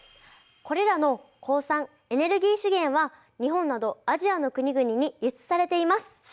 これらの鉱産エネルギー資源は日本などアジアの国々に輸出されています。